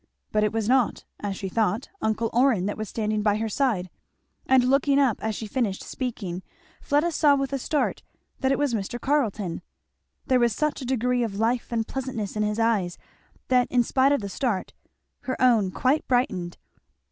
But it was not, as she thought, uncle Orrin that was standing by her side, and looking up as she finished speaking Fleda saw with a start that it was Mr. Carleton. There was such a degree of life and pleasantness in his eyes that, in spite of the start, her own quite brightened.